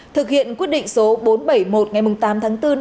thực hiện quyết định số bốn trăm bảy mươi một ngày tám tháng bốn năm hai nghìn hai